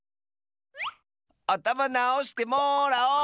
あたまなおしてもらおう！